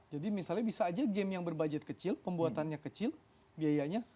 jadi misalnya bisa aja game yang berbudget kecil pembuatannya kecil biayanya